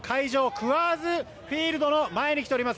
クアーズ・フィールドの前に来ております。